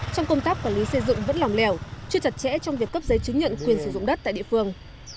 trong công tác quản lý xây dựng vẫn lòng lẻo chưa chặt chẽ trong việc cấp giấy chứng nhận quyền sử dụng đất tại địa phương